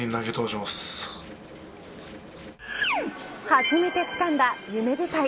初めてつかんだ夢舞台。